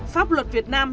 pháp luật việt nam